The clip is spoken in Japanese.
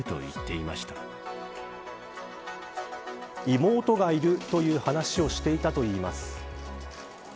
妹がいるという話をしていたといいます。